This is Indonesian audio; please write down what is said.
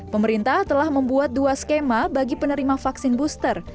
pemerintah telah membuat dua skema bagi penerima vaksin booster